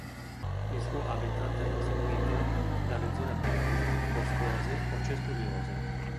Il suo "habitat" è costituito dalle zone aperte, boscose o cespugliose.